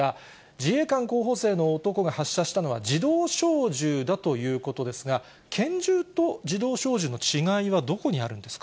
自衛官候補生の男が発射したのは自動小銃だということですが、拳銃と自動小銃の違いはどこにあるんですか。